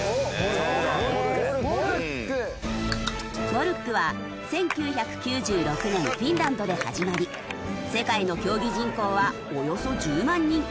モルックは１９９６年フィンランドで始まり世界の競技人口はおよそ１０万人。